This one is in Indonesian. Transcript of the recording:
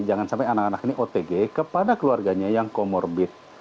jangan sampai anak anak ini otg kepada keluarganya yang comorbid